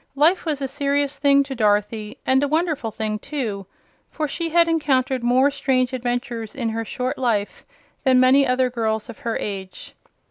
Life was a serious thing to Dorothy, and a wonderful thing, too, for she had encountered more strange adventures in her short life than many other girls of her age.